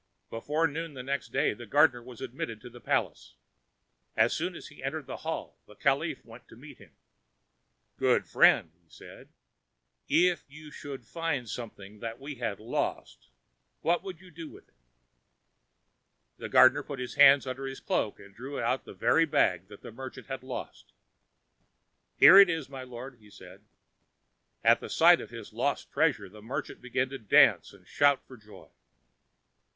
Before noon the next day the gardener was admitted to the palace. As soon as he entered the hall the caliph went to meet him. "Good friend," he said, "if you should find something that we have lost, what would you do with it?" The gardener put his hand under his cloak and drew out the very bag that the merchant had lost. "Here it is, my lord," he said. At sight of his lost treasure, the merchant began to dance and shout for joy.